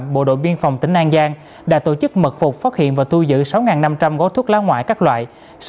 biên phòng tỉnh an giang đã tổ chức mật phục phát hiện và tu dự sáu năm trăm linh gói thuốc lá ngoại các loại